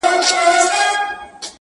له نړۍ څخه يې بېل وه عادتونه٫